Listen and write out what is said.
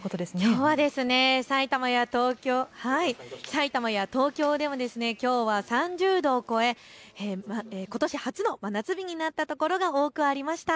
きょうは埼玉や東京でもきょうは３０度を超えことし初の真夏日になった所が多くありました。